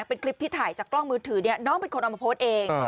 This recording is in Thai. เป็นคลิปที่ถ่ายจากกล้องมือถือเนี่ยน้องเป็นคนเอามาโพสต์เอง